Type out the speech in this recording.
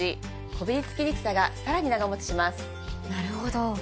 なるほど。